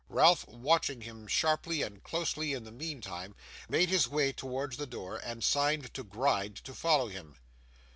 Ralph, watching him sharply and closely in the meantime, made his way towards the door, and signed to Gride to follow him.